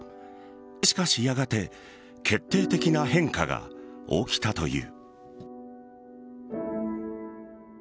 しかしやがて決定的な変化が起きたという。